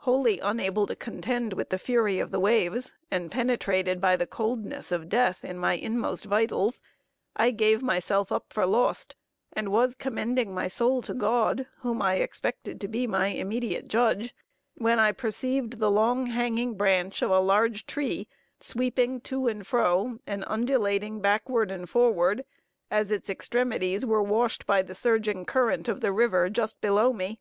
Wholly unable to contend with the fury of the waves, and penetrated by the coldness of death, in my inmost vitals, I gave myself up for lost, and was commending my soul to God, whom I expected to be my immediate Judge, when I perceived the long hanging branch of a large tree, sweeping to and fro, and undulating backward and forward, as its extremities were washed by the surging current of the river, just below me.